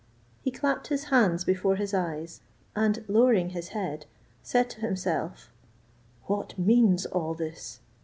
He clapped his hands before his eyes, and lowering his head, said to himself, "What means all this?